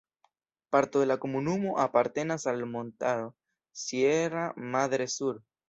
Parto de la komunumo apartenas al la montaro "Sierra Madre Sur".